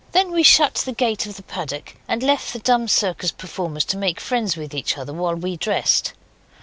Then we shut the gate of the paddock, and left the dumb circus performers to make friends with each other while we dressed.